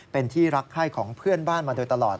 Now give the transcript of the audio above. เป็นที่รักไข้ของเพื่อนบ้านมาโดยตลอด